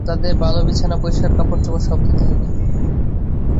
তাদের ভাল বিছানা, পরিষ্কার কাপড়-চোপড় সব দিতে হবে।